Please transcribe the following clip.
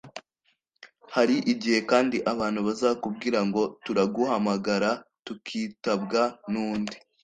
Hari igihe kandi abantu bazakubwira ngo turaguhamagara tukitabwa n’undi